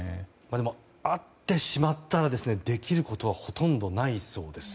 でも、会ってしまったらできることはほとんどないそうです。